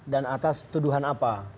dan atas tuduhan apa